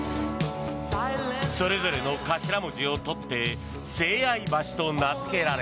それぞれの頭文字を取って清愛橋と名付けられ